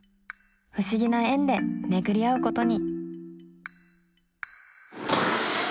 不思議な縁で巡り会うことに。